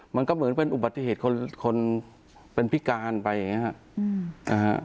มันก็เหมือนเป็นอุบัติเหตุคนเป็นพิการไปอย่างนี้ครับ